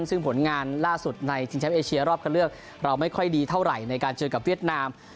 ซึ่งผลงานล่าสุดในชิงแชมป์เอเชียรอบคันเลือกเราไม่ค่อยดีเท่าไหร่ในการเจอกับเวียดนาม